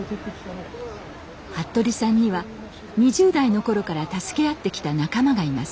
服部さんには２０代の頃から助け合ってきた仲間がいます。